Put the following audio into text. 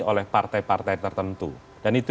oleh partai partai tertentu dan itu